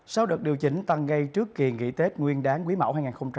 sau đợt điều chỉnh tăng ngay trước kỳ nghị tết nguyên đáng quý mẫu hai nghìn hai mươi ba